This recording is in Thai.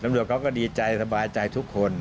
ตำรวจเขาก็ดีใจสบายใจทุกคน